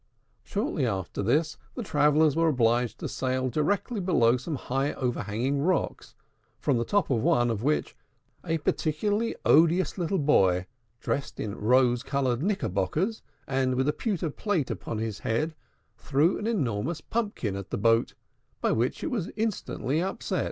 Shortly after this, the travellers were obliged to sail directly below some high overhanging rocks, from the top of one of which a particularly odious little boy, dressed in rose colored knickerbockers, and with a pewter plate upon his head, threw an enormous pumpkin at the boat, by which it was instantly upset.